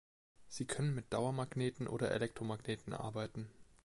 Sie können mit Dauermagneten oder Elektromagneten arbeiten.